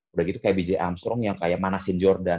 udah gitu kayak bj armstrong yang kayak manasin jordan